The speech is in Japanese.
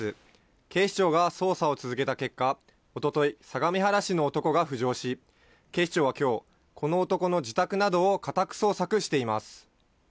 警視庁が捜査を続けた結果、おととい、相模原市の男が浮上し、警視庁はきょう、この男の自宅などを家宅捜索しています。